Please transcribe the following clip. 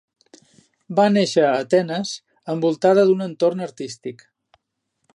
Va néixer a Atenes envoltada d'un entorn artístic.